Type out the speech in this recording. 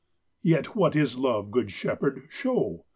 "Yet what is love? good shepherd, show!"